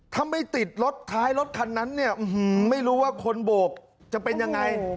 ถ้าไม่ติดรถท้ายรถคันนั้นเนี่ยไม่รู้ว่าคนโบกจะเป็นยังไง